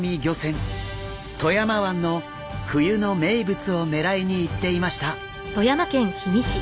富山湾の冬の名物を狙いに行っていました。